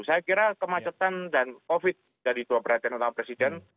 saya kira kemacetan dan covid jadi dua perhatian utama presiden